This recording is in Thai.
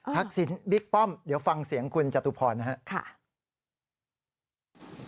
ทักษิณบิ๊กป้อมเดี๋ยวฟังเสียงคุณจตุพรนะครับ